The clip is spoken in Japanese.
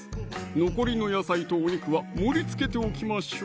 残りの野菜とお肉は盛りつけておきましょう